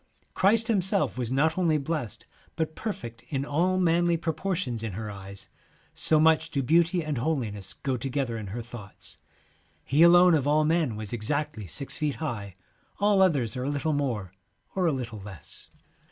' Christ H imself was not only blessed, but perfect in all manly pro portions in her eyes, so much do beauty and holiness go together in her thoughts. He alone of all men was exactly six feet high, all others are a little more or a little less.